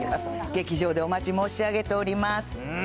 劇場でお待ち申し上げております。